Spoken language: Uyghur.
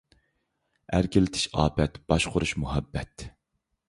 ئەركىلىتىش ئاپەت، باشقۇرۇش مۇھەببەت.